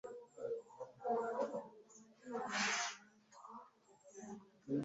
Bigaragara ko mama azi ukuri